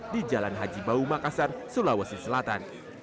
di jalan haji bau makassar sulawesi selatan